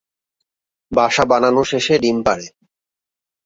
বাসা বানানো শেষে ডিম পাড়ে।